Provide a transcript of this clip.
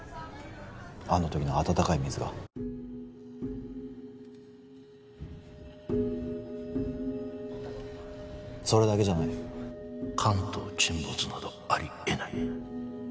あの時の温かい水がそれだけじゃない関東沈没などあり得ない